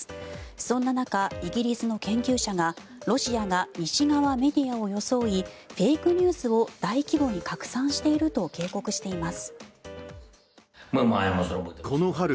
そんな中、イギリスの研究者がロシアが西側メディアを装いフェイクニュースを大規模に拡散していると警告しています。